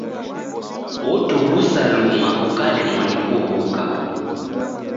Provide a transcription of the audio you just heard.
Otughusa luma ukalemwa ni kuw'uka.